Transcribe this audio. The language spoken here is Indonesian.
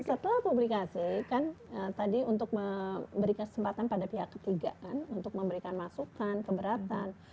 setelah publikasi kan tadi untuk memberi kesempatan pada pihak ketiga kan untuk memberikan masukan keberatan